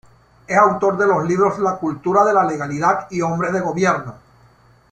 Es autor de los libros "La cultura de la legalidad" y "Hombres de Gobierno".